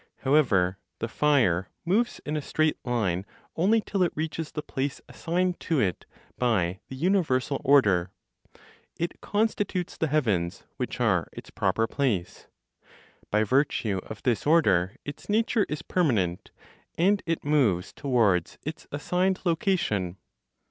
However, the fire moves in a straight line only till it reaches the place assigned to it by the universal order (it constitutes the heavens, which are its proper place). By virtue of this order its nature is permanent, and it moves towards its assigned location.